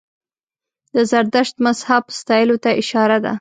د زردشت مذهب ستایلو ته اشاره ده.